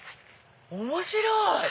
面白い！